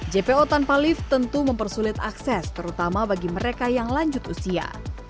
jpo tanpa lift tentu mempersulit akses terutama bagi mereka yang lanjut usia